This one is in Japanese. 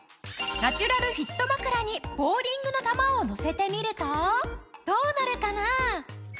ナチュラルフィット枕にボウリングの球をのせてみるとどうなるかな？